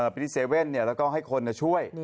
ไปที่๗๑๑แล้วก็ให้คนช่วย